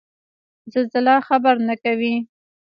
زلزله خبر نه کوي